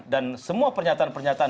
dan semua pernyataan pernyataan